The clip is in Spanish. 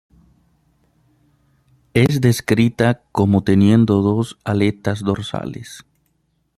Es descrita como teniendo dos aletas dorsales.